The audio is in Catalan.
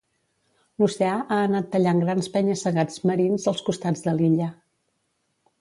L'oceà ha anat tallant grans penya-segats marins als costats de l'illa.